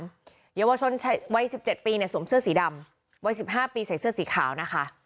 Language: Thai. เยียววชนชายวัยสิบเจ็ดปีเนี่ยสวมเสื้อสีดำวัยสิบห้าปีใส่เสื้อสีขาวนะคะ